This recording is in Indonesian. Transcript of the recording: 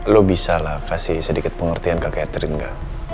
lu bisa lah kasih sedikit pengertian ke catherine nga